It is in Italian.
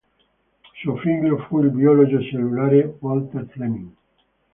Suo figlio fu il biologo cellulare Walther Flemming.